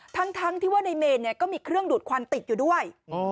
ทั้งที่ว่าในเมนก็มีเครื่องดูดควันติดอยู่ด้วย